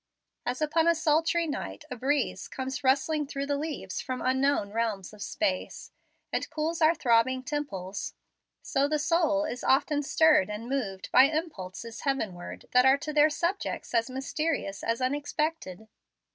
As upon a sultry night a breeze comes rustling through the leaves from unknown realms of space, and cools our throbbing temples, so the soul is often stirred and moved by impulses heavenward that are to their subjects as mysterious as unexpected.